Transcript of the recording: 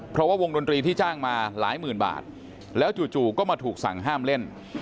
เพราะว่าวงดนตรีที่จ้างมาหลายหมื่นบาทแล้วจู่ก็มาถูกสั่งห้ามเล่น